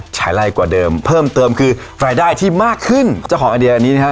ใช้ไล่กว่าเดิมเพิ่มเติมคือรายได้ที่มากขึ้นเจ้าของไอเดียอันนี้นะฮะ